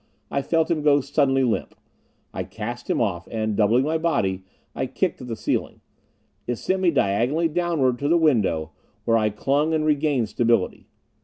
I felt him go suddenly limp. I cast him off, and, doubling my body, I kicked at the ceiling. It sent me diagonally downward to the window, where I clung and regained stability.